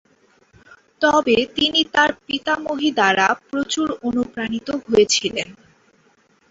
তবে তিনি তার পিতামহী দ্বারা প্রচুর অনুপ্রাণিত হয়েছিলেন।